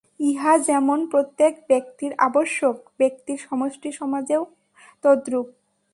ইহা যেমন প্রত্যেক ব্যক্তির আবশ্যক, ব্যক্তির সমষ্টি সমাজেও তদ্রূপ।